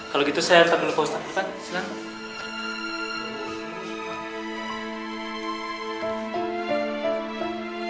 kalau gitu saya tetap melukau ustaz